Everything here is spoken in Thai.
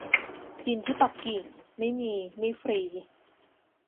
จีนที่ปักกิ่ง ไม่มี ไม่ฟรี